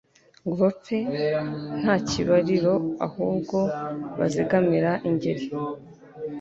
Ngo bapfe nta kibariro Ahubwo bazegamira ingeri